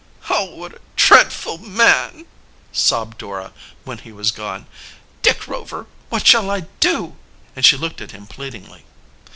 "Oh, what a dreadful man!" sobbed Dora, when he was gone. "Dick Rover, what shall I do?" and she looked at him pleadingly.